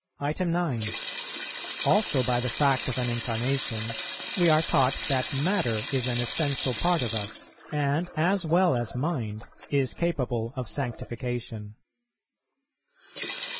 9. Also by the fact of an Incarnation we are taught that matter is an essential part of us, and, as well as mind, is capable of sanctification.